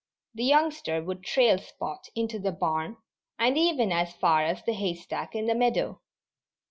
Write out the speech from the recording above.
The youngster would trail Spot into the barn and even as far as the hay stack in the meadow.